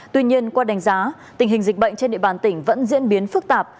tuy nhiên qua đánh giá tình hình dịch bệnh trên địa bàn tỉnh vẫn diễn biến phức tạp